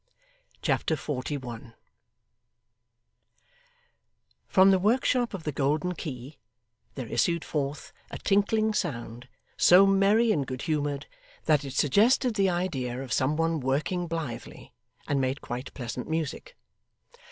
Chapter 41 From the workshop of the Golden Key, there issued forth a tinkling sound, so merry and good humoured, that it suggested the idea of some one working blithely, and made quite pleasant music.